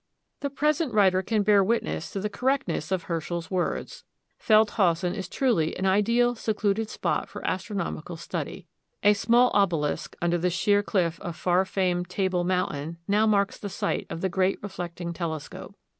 The present writer can bear witness to the correctness of Herschel's words. Feldhausen is truly an ideal secluded spot for astronomical study. A small obelisk under the sheer cliff of far famed Table Mountain now marks the site of the great reflecting telescope.